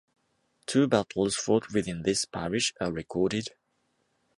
Two battles fought within this parish are recorded.